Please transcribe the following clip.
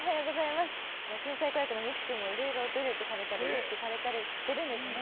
天才子役のみち君もいろいろ努力されたり、意識されたりしているんですね。